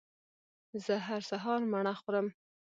زه هر سهار مڼه خورم